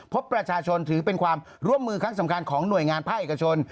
พบประชาชนถือเป็นความร่วมมือครั้งสำคัญของหน่วยงานภาคเอกชน